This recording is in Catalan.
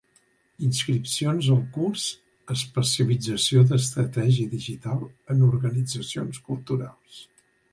Inscripcions al curs "Especialització d'Estratègia Digital en Organitzacions Culturals"